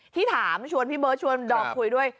ที่ถามชวนพี่เบิร์ดชวนดอมคุยด้วย